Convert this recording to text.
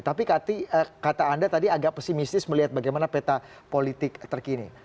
tapi kata anda tadi agak pesimistis melihat bagaimana peta politik terkini